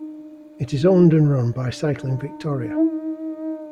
It is owned and run by Cycling Victoria.